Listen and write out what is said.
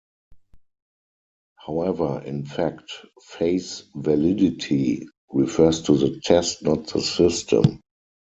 However, in fact "face validity" refers to the test, not the system.